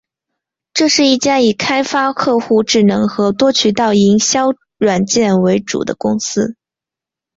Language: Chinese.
这是一家以开发客户智能和多渠道营销软件为主的公司。